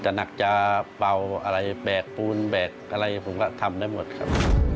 หนักจะเป่าอะไรแบกปูนแบกอะไรผมก็ทำได้หมดครับ